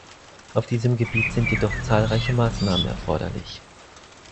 Auf diesem Gebiet sind jedoch zahlreiche Maßnahmen erforderlich.